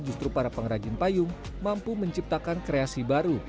justru para pengrajin payung mampu menciptakan kreasi baru